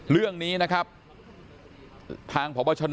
เรื่องนี้นะครับทางพบชน